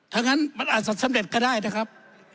ถ้างั้นมันอาจจะสำเร็จก็ได้นะครับ